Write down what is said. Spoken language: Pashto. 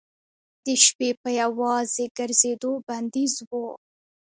د شپې په یوازې ګرځېدو بندیز و.